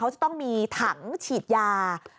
เขาจะต้องมีถังฉีดยา